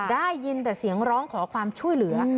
ได้ยินแต่เสียงร้องขอความช่วยเหลือ